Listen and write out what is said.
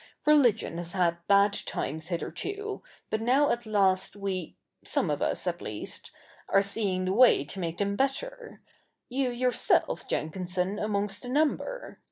Religion has had bad times hitherto, but now at last we — some of us, at least — are seeing the way to make them better ; you yourself, Jenkinson, amongst the number.